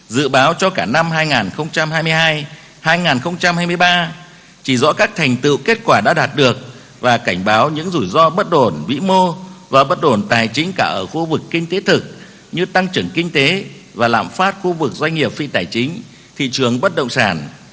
dự báo cho cả năm hai nghìn hai mươi hai hai nghìn hai mươi ba chỉ rõ các thành tựu kết quả đã đạt được và cảnh báo những rủi ro bất ổn vĩ mô và bất ổn tài chính cả ở khu vực kinh tế thực như tăng trưởng kinh tế và lạm phát khu vực doanh nghiệp phi tài chính thị trường bất động sản